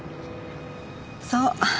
そう。